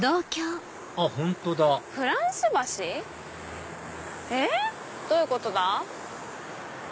あっ本当だフランス橋？どういうことだ？